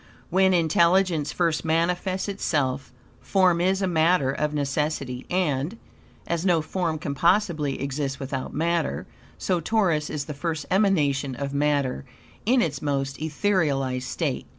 When intelligence first manifests itself form is a matter of necessity, and, as no form can possibly exist without matter, so Taurus is the first emanation of matter in its most etherealized state.